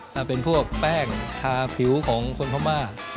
มีพวกแป้งทาผิวของคนพม่า